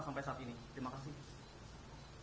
sampai saat ini terima kasih